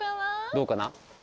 どうかな？